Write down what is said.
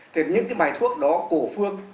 thì những cái bài thuốc đó cổ phương